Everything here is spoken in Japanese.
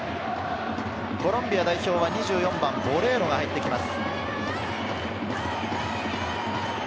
コロンビア代表は２４番・ボレーロが入ってきます。